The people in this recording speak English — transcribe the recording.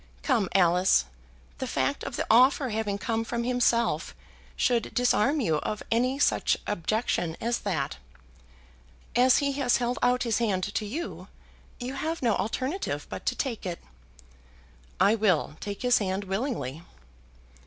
Come, Alice; the fact of the offer having come from himself should disarm you of any such objection as that. As he has held out his hand to you, you have no alternative but to take it." "I will take his hand willingly."